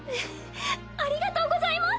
ありがとうございます。